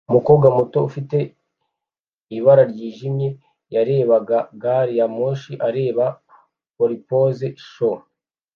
Umukobwa muto ufite ibara ryijimye yarebaga gari ya moshi areba porpoise show